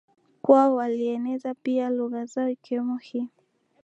kwao walieneza pia lugha zao ikiwemo hii